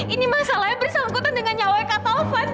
ini masalahnya bersangkutan dengan nyawa kak taufan